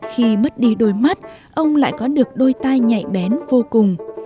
khi mất đi đôi mắt ông lại có được đôi tay nhạy bén vô cùng